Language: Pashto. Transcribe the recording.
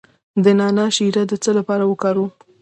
د نعناع شیره د څه لپاره وکاروم؟